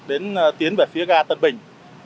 đến tiến về phía ga tân bình